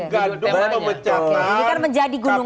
gadong atau becakan